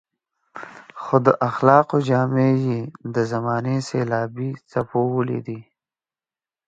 خو د اخلاقو جامې يې د زمانې سېلابي څپو وړي دي.